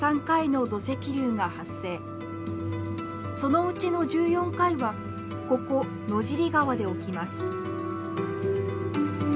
そのうちの１４回はここ野尻川で起きます。